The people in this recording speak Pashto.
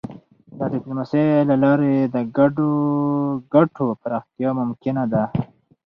د ډيپلوماسی له لارې د ګډو ګټو پراختیا ممکنه ده.